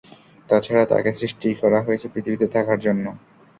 তাছাড়া তাঁকে সৃষ্টিই করা হয়েছে পৃথিবীতে থাকার জন্য।